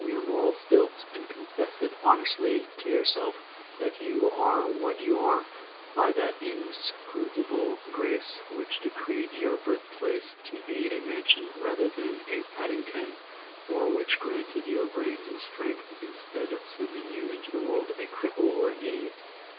21 your moral stilts, and confess it honestly to yourself that you are what you are by that inscrutable grace which decreed your birthplace to be a mansion rather than a "padding ken," or which granted you brains and strength, instead of sending you into the world a cripple or an idiot.